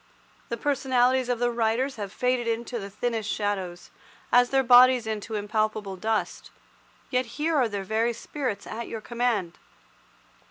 The personalities of the writers have faded into the thinnest shadows, as their bodies into impalpable dust, yet here are their very spirits at your command.